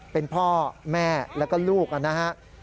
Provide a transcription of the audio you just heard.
เป็นพ่อแม่แล้วก็ลูกนะครับ